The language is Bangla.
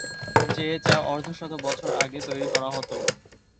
যে চা অর্ধশত বছর আগে তৈরি করা হতো।